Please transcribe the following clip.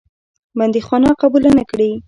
بندیخانه قبوله نه کړې.